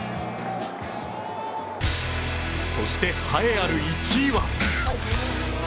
そして栄えある１位は？